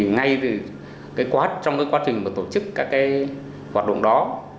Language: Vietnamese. ngay trong quá trình tổ chức các hoạt động đó